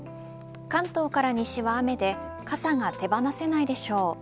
関東から西は雨で傘が手放せないでしょう。